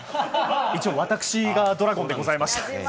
一応、私がドラゴンでございました。